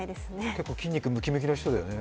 結構筋肉ムキムキの人だよね。